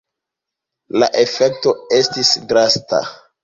La efekto estis drasta.